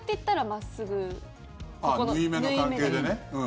縫い目の関係でね。